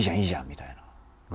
みたいな。